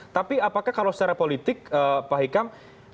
tapi apakah kalau secara politik pak hikam